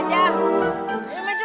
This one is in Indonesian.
ayah yakin mau masuk kerja